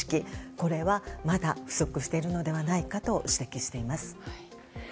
これはまだ不足しているのではないかと指摘しています。